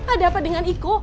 ada apa dengan iko